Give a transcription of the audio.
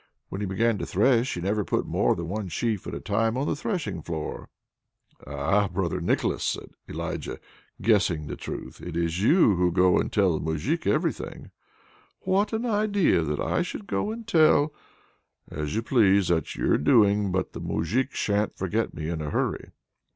When he began to thresh he never put more than one sheaf at a time on the threshing floor." "Ah, brother Nicholas!" said Elijah, guessing the truth, "it's you who go and tell the Moujik everything!" "What an idea! that I should go and tell " "As you please; that's your doing! But that Moujik sha'n't forget me in a hurry!"